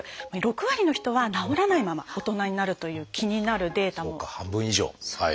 ６割の人は治らないまま大人になるという気になるデータもそうか。